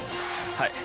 はい。